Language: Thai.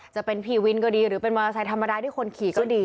จะเป็นพี่วินก็ดีหรือเป็นมอเตอร์ไซค์ธรรมดาที่คนขี่ก็ดี